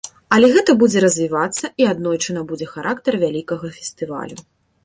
Але гэта будзе развівацца, і аднойчы набудзе характар вялікага фестывалю.